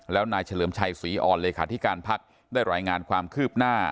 แล้วนายเฉลิมชัยศรีอ่อนเลขาธิการพักได้รายงานความคืบหน้า